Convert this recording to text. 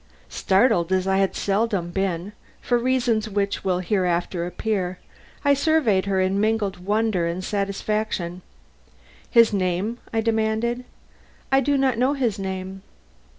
Startled as I had seldom been, for reasons which will hereafter appear, I surveyed her in mingled wonder and satisfaction. "His name?" I demanded. "I do not know his name."